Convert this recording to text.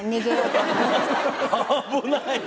危ない！